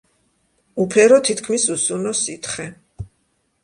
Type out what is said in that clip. უფერო თითქმის უსუნო სითხე.